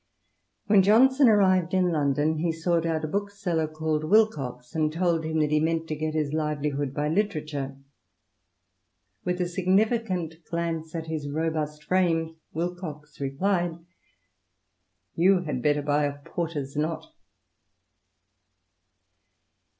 When Johnson arrived in London he sought out a bookseller called Wilcox, and told him that he meant to get his livelihood by literature. With a significant glance at his robust frame, Wilcox replied. "You had better buy a porter's knot."